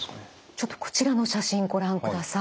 ちょっとこちらの写真ご覧ください。